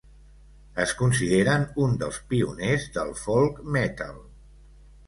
Es consideren un dels pioners del folk metal.